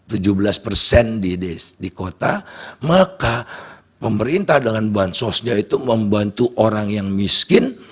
kalau tujuh belas persen di kota maka pemerintah dengan bansosnya itu membantu orang yang miskin